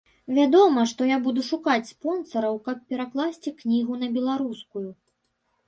Вядома, што я буду шукаць спонсараў, каб перакласці кнігу на беларускую.